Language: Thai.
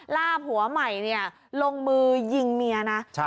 ลาบหัวใหม่เนี่ยลงมือยิงเมียนะ